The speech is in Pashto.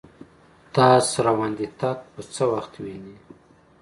تاس روانیدتک به څه وخت وین